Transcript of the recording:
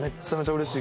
うれしい！